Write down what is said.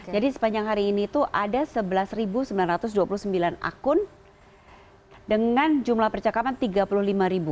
jadi sepanjang hari ini itu ada sebelas sembilan ratus dua puluh sembilan akun dengan jumlah percakapan tiga puluh lima ribu